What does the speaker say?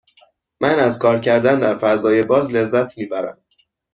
من از کار کردن در فضای باز لذت می برم.